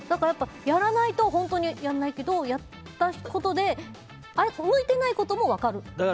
やらないと本当にやらないけどやったことで、向いてないことも分かるっていう。